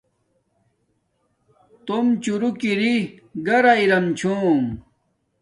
توم چوروک اری گھرا ریم چھوم